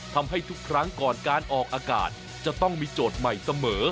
ทำให้ทุกครั้งก่อนการออกอากาศจะต้องมีโจทย์ใหม่เสมอ